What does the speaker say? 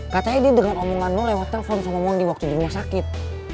katanya dia dengan omongan lo lewat telepon sama monggi waktu di rumah sakit